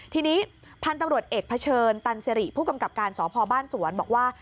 ทีนี้พันธุ์ตำรวจเอกเผชิญตันสิริผู้กำกับการสพบ้านสวนบอกว่า